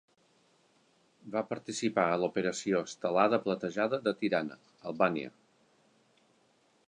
Va participar a l'Operació Estelada Platejada de Tirana (Albània).